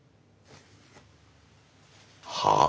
はあ？